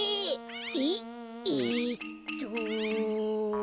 えっえっと。